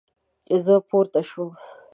زه پورته شوم